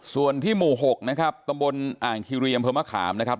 ส่วนที่หมู่หกนะครับตรงบนอ่างคิเรียมเพอร์มะคามนะครับ